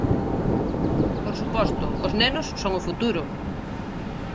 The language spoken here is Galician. Por suposto, os nenos son o futuro.